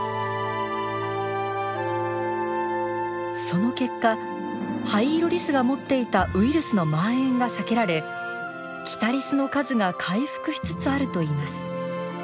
その結果ハイイロリスが持っていたウイルスの蔓延が避けられキタリスの数が回復しつつあるといいます。